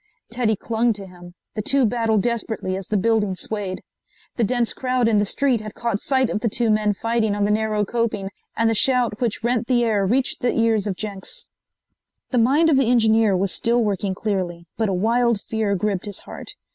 Teddy clung to him. The two battled desperately as the building swayed. The dense crowd in the street had caught sight of the two men fighting on the narrow coping, and the shout which rent the air reached the ears of Jenks. The mind of the engineer was still working clearly, but a wild fear gripped his heart.